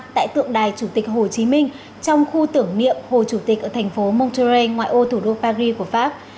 tại tượng đài chủ tịch hồ chí minh trong khu tưởng niệm hồ chủ tịch ở thành phố montree ngoài ô thủ đô paris của pháp